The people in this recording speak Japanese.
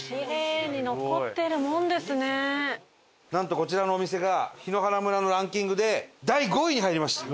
なんとこちらのお店が檜原村のランキングで第５位に入りました。